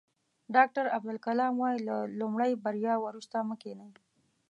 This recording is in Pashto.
ډاکټر عبدالکلام وایي له لومړۍ بریا وروسته مه کینئ.